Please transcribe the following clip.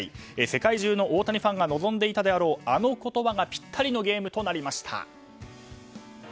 世界中の大谷ファンが望んでいたであろう、あの言葉がぴったりのゲームとなりました。